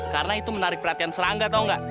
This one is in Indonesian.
karena itu menarik perhatian serangga tau gak